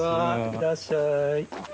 いらっしゃい。